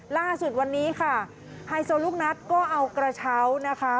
ล่าสุดวันนี้ค่ะไฮโซลูกนัทก็เอากระเช้านะคะ